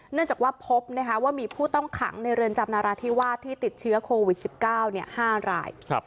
เนื่องจากว่าพบว่ามีผู้ต้องขังในเรือนจำนราธิวาสที่ติดเชื้อโควิด๑๙๕ราย